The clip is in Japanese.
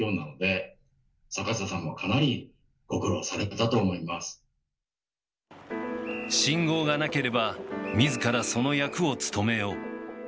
ただ信号がなければ自らその役を務めよう。